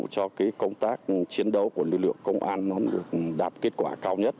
cái công tác chiến đấu của lực lượng công an nó không được đạt kết quả cao nhất